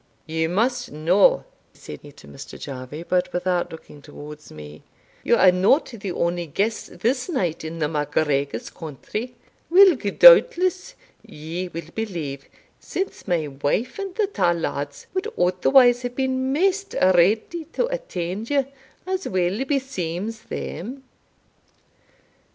"You must know," said he to Mr. Jarvie, but without looking towards me, "you are not the only guests this night in the MacGregor's country, whilk, doubtless, ye will believe, since my wife and the twa lads would otherwise have been maist ready to attend you, as weel beseems them."